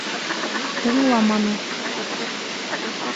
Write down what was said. Тыңламаны!